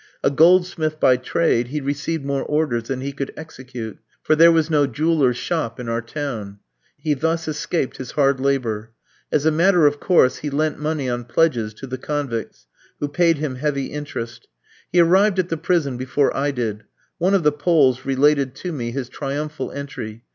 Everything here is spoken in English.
A goldsmith by trade, he received more orders than he could execute, for there was no jeweller's shop in our town. He thus escaped his hard labour. As a matter of course, he lent money on pledges to the convicts, who paid him heavy interest. He arrived at the prison before I did. One of the Poles related to me his triumphal entry.